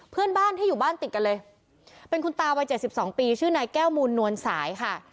เพื่อนบ้านที่อยู่บ้านติดกันเลยเป็นคุณตาวัย๗๒ปีชื่อนายแก้วมูลนวลสายค่ะ